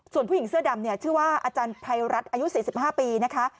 ส่วนผู้หญิงเสื้อดำเนี่ยชื่อว่าอาจารย์ภัยรัฐอายุ๔๕ปีนะคะ